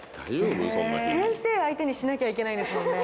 先生相手にしなきゃいけないですもんね。